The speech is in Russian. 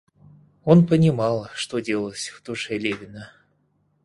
Он понимал, что делалось в душе Левина.